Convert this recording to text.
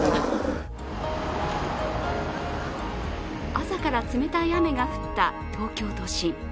朝から冷たい雨が降った東京都心。